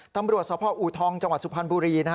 ตำรวจสพอูทองจังหวัดสุพรรณบุรี